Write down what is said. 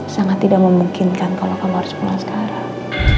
sangat tidak memungkinkan kalau kamu harus pulang sekarang